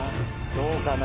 どうかな？